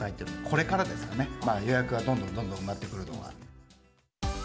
これからですかね、予約がどんどんどんどん埋まってくるのは。